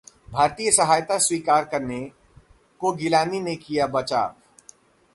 भारतीय सहायता स्वीकार करने का गिलानी ने किया बचाव